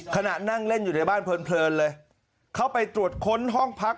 ขณะนั่งเล่นอยู่ในบ้านเพลินเลยเข้าไปตรวจค้นห้องพัก